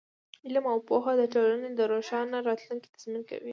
علم او پوهه د ټولنې د روښانه راتلونکي تضمین کوي.